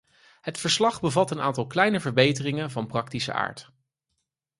Het verslag bevat een aantal kleine verbeteringen van praktische aard.